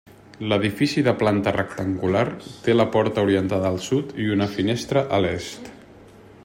L'edifici de planta rectangular, té la porta orientada al sud i una finestra a l'est.